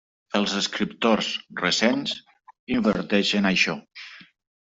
Els escriptors recents inverteixen això.